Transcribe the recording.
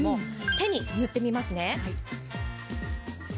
手に塗ってみますね。